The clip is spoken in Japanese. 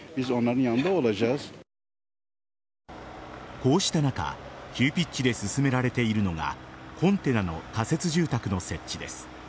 こうした中急ピッチで進められているのがコンテナの仮設住宅の設置です。